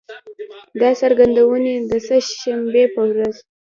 دا څرګندونې د سه شنبې په ورځ